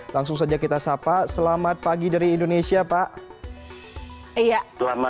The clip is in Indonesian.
langsung saja kita sapa selamat pagi dari indonesia pak